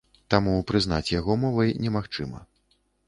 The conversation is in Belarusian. Таму прызнаць яго мовай немагчыма.